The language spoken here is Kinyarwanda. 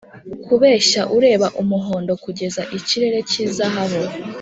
kubeshya ureba umuhondo kugeza ikirere cyizahabu